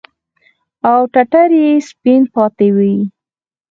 او ټټر يې سپين پاته وي.